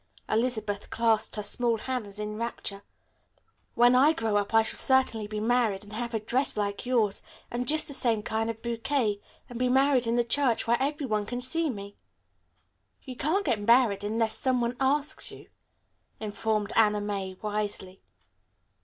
Elizabeth clasped her small hands in rapture. "When I grow up I shall certainly be married, and have a dress like yours, and just the same kind of a bouquet, and be married in the church where every one can see me." "You can't get married unless some one asks you," informed Anna May wisely.